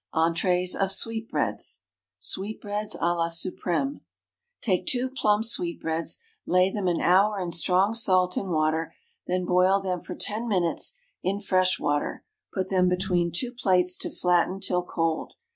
ENTRÉES OF SWEETBREADS. Sweetbreads à la Suprême. Take two plump sweetbreads, lay them an hour in strong salt and water, then boil them for ten minutes in fresh water; put them between two plates to flatten till cold.